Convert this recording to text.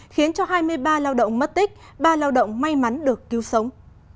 khiến cho hai mươi ba lao động mất tích ba lao động may mắn được cứu sống